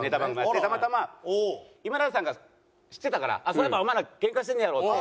たまたま今田さんが知ってたから「そういえばお前らケンカしてんねやろ」って。